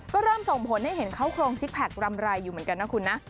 ก็เริ่มส่งผลให้เห็นเขาโครงซิกแพครำไรอยู่เหมือนกันนะคุณนะ